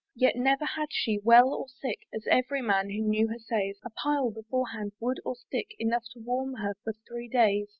Yet never had she, well or sick, As every man who knew her says, A pile before hand, wood or stick, Enough to warm her for three days.